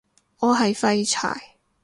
我係廢柴